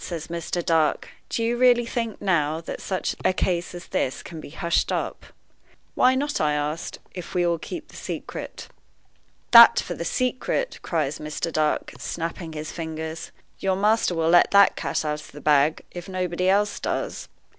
says Mr. Dark, "do you really think, now, that such a case as this can be hushed up?" "Why not," I asked, "if we all keep the secret?" "That for the secret!" cries Mr. Dark, snapping his fingers. "Your master will let the cat out of the bag, if nobody else does."